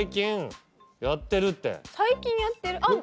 最近やってる？あっ。